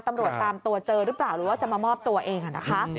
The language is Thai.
ตำรวจตามตัวเจอหรือเปล่าหรือว่าจะมามอบตัวเองนะคะ